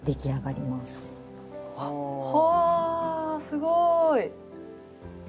あっはあすごい。